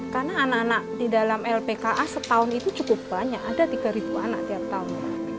karena anak anak di dalam lpka setahun itu cukup banyak ada tiga anak tiap tahun